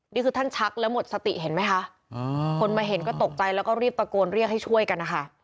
นี่คือท่านชักแล้วหมดสติเห็นไหมคะคนมาเห็นก็ตกใจแล้วก็รีบตะโกนเรียกให้ช่วยกันนะคะ